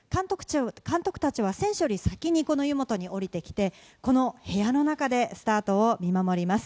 監督たちは選手より先にこの湯本に下りてきて、この部屋の中でスタートを見守ります。